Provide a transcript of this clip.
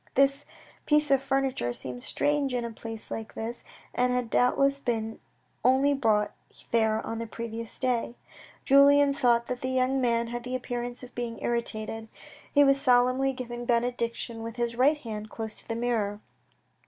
This piece of furniture seemed strange in a place like this, and had doubt less been only brought there on the previous day. Julien thought that the young man had the appearance of being irritated. He was solemnly giving benedictions with his right hand close to the mirror.